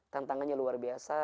tantangannya luar biasa